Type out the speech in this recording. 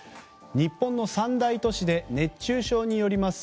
日本の三大都市で熱中症によります